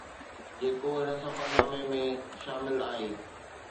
جيڪو هن سفرنامي ۾ شامل آهي